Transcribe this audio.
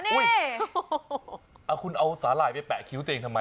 เอาสาหล่ายเอูชาไปแปะคิ้วตทำไม